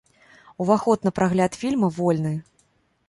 Уваход на прагляд фільма вольны.